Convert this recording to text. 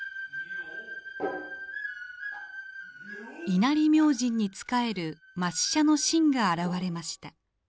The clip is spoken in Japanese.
稲荷明神に仕える末社の神が現れました。